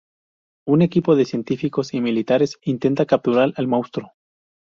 Un equipo de científicos y militares intenta capturar al monstruo.